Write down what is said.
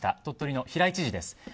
鳥取の平井知事です。